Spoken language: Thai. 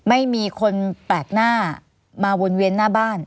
ไม่มีคนแปลกหน้ามาวนเวียนหน้าบ้าน